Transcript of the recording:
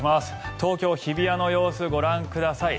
東京・日比谷の様子ご覧ください。